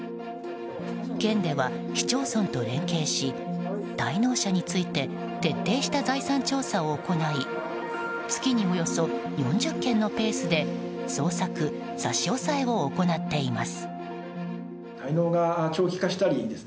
県では、市町村と連携し滞納者について徹底した財産調査を行い月におよそ４０件のペースで捜索・差し押さえを行っています。